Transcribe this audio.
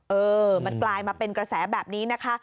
เออมันกลายมาเป็นกระแสแบบนี้นะคะ